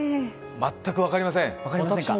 全く分かりません。